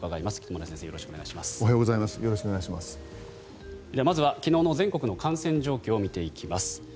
まずは昨日の全国の感染状況を見ていきます。